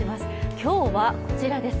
今日はこちらです。